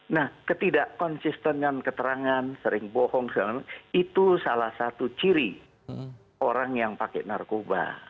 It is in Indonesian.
nah ketidak konsistenan keterangan sering bohong segala macam itu salah satu ciri orang yang pakai narkoba